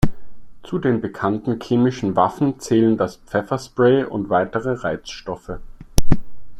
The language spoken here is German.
Zu den bekannten chemischen Waffen zählen das Pfefferspray und weitere Reizstoffe.